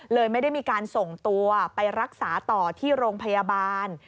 ไม่ได้มีการส่งตัวไปรักษาต่อที่โรงพยาบาล